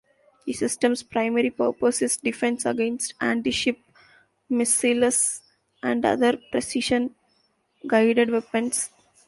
The system's primary purpose is defense against anti-ship missiles and other precision guided weapons.